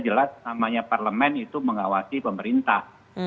jelas namanya parlemen itu mengawasi pemerintah